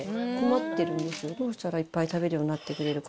どうしたらいっぱい食べるようになってくれるか。